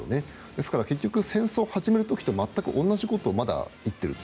ですから結局戦争を始める時と全く同じことをまだ言っている。